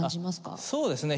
そうですね。